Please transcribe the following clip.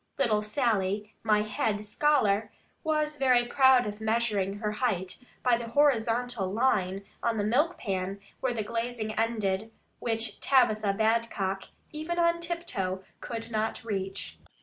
Little Sally, my head scholar, was very proud of measuring her height, by the horizontal line on the milk pan where the glazing ended; which Tabitha Badcock, even on tiptoe, could not reach.